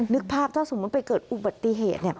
นึกภาพถ้าสมมุติไปเกิดอุบัติเหตุ